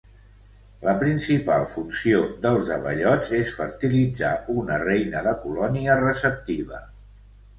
La principal funció dels abellots és fertilitzar una reina de colònia receptiva.